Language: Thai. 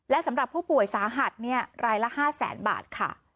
และสำหรับผู้ป่วยสาหัสรายละ๕แสนบาทค่ะ